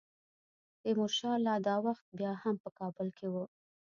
تیمورشاه لا دا وخت بیا هم په کابل کې وو.